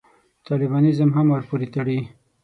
طالبانیزم هم ورپورې تړي.